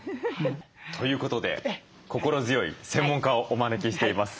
ということで心強い専門家をお招きしています。